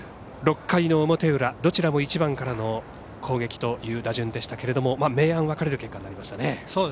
６回の表裏、どちらも１番からの攻撃という打順でしたが明暗分かれる結果となりましたね。